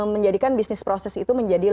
menjadikan bisnis proses itu menjadi